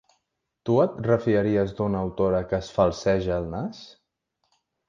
Tu et refiaries d'una autora que es falseja el nas?